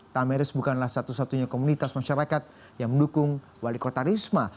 tameris bukanlah satu satunya komunitas masyarakat yang mendukung wali kota risma